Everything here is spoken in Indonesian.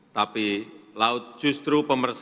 tapi laut adalah sebuah perhubungan antar daratan